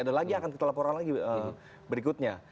ada lagi yang akan kita laporkan lagi berikutnya